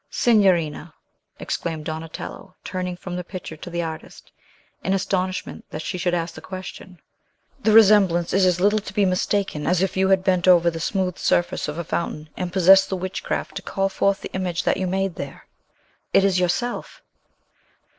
"Signorina," exclaimed Donatello, turning from the picture to the artist, in astonishment that she should ask the question, "the resemblance is as little to be mistaken as if you had bent over the smooth surface of a fountain, and possessed the witchcraft to call forth the image that you made there! It is yourself!"